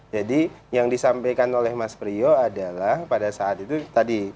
jadi yang disampaikan oleh mas priyo adalah pada saat itu tadi